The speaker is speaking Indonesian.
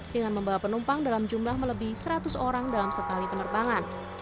dengan membawa penumpang dalam jumlah melebih seratus orang dalam sekali penerbangan